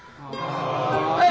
はい。